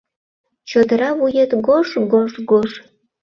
Чодыра вует гож-гож-гож